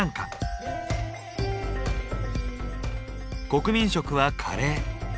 国民食はカレー。